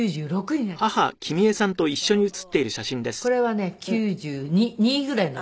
これはね９２ぐらいの時。